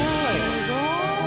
すごーい！